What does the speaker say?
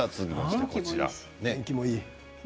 天気もいい。